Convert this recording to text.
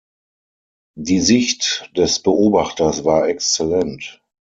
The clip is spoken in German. Die Sicht des Beobachters war exzellent.